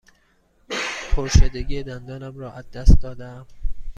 پرشدگی دندانم را از دست داده ام.